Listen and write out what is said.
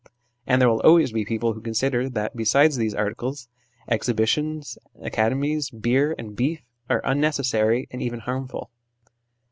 And there will always be people who consider that, besides these articles exhibitions, academies, beer and beef are unnecessary and even harmful.